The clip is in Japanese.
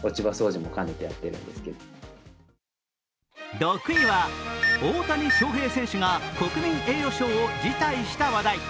６位は大谷翔平選手が国民栄誉賞を辞退した話題。